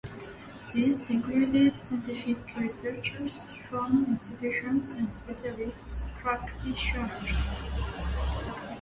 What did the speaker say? These included scientific researchers from institutions and specialized practitioners.